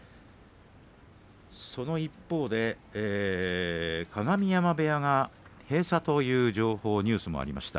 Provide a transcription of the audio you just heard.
その一方で鏡山部屋が閉鎖という情報がありました。